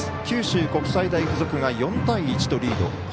九州国際大付属が４対１とリード。